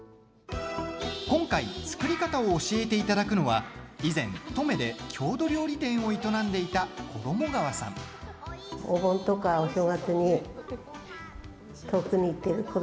今回作り方を教えていただくのは以前、登米で郷土料理店を営んでいた衣川さん。って言うんですよ。